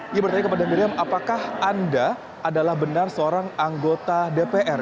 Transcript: dia bertanya kepada miriam apakah anda adalah benar seorang anggota dpr